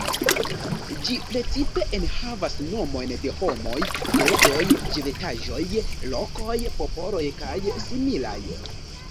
Ĝi precipe enhavas nomojn de homoj, bestoj, vegetaĵoj, lokoj, popoloj kaj similaj.